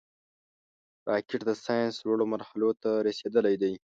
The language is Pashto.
راکټ د ساینس لوړو مرحلو ته رسېدلی دی